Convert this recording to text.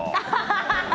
アハハハハ。